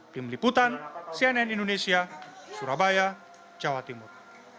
tim liputan cnn indonesia surabaya jawa timur